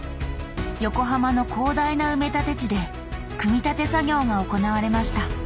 横浜の広大な埋め立て地で組み立て作業が行われました。